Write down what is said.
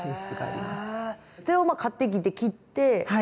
それを買ってきて切ってで？